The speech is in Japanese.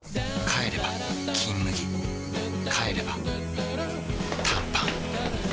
帰れば「金麦」帰れば短パン